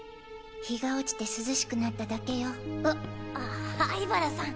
日が落ちて涼しくなっただけよ。は灰原さん。